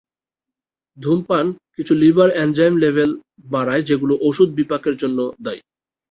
ধূমপান কিছু liver enzyme level বাড়ায় যেগুলো ওষুধ বিপাকের জন্য দায়ী।